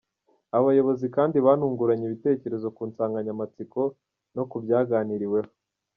Aba bayobozi kandi banunguranye ibitekerezo ku nsanganyamatsiko no kubyaganiriweho.